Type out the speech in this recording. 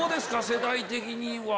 世代的には。